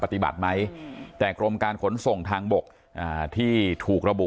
ปฏิบัติไหมแต่โรงการขนส่งทางบกที่ถูกระบุ